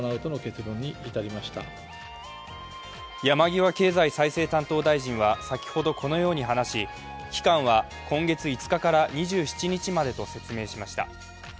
山際経済再生担当大臣は先ほどこのように話し期間は今月５日から２７日までと説明しました。